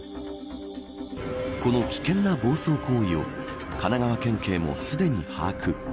この危険な暴走行為を神奈川県警も、すでに把握。